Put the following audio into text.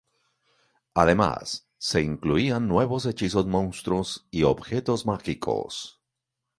Además, se incluían nuevos hechizos monstruos, y objetos mágicos.